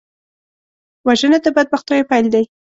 وژنه د بدبختیو پیل دی